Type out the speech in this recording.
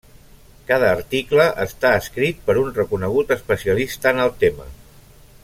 Cada article està escrit per un reconegut especialista en el tema.